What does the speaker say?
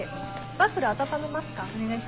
ワッフル温めますか？